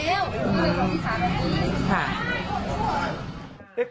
ก็เลยบอกพี่สาวตังค์